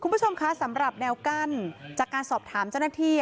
คุณผู้ชมคะสำหรับแนวกั้นจากการสอบถามเจ้าหน้าที่